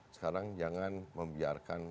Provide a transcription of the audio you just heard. sekarang jangan membiarkan